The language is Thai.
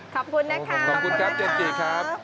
ขอบคุณนะครับขอบคุณครับเจมส์จีตครับ